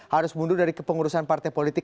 harus mundur dari kepengurusan partai politik